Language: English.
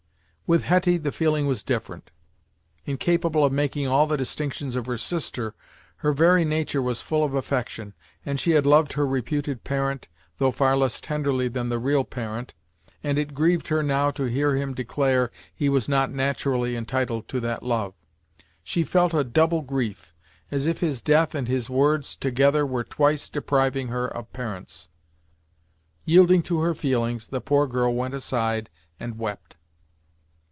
With Hetty the feeling was different. Incapable of making all the distinctions of her sister, her very nature was full of affection, and she had loved her reputed parent, though far less tenderly than the real parent, and it grieved her now to hear him declare he was not naturally entitled to that love. She felt a double grief, as if his death and his words together were twice depriving her of parents. Yielding to her feelings, the poor girl went aside and wept.